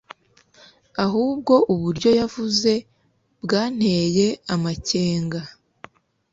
ahubwo uburyo yabivuze byanteye amakenga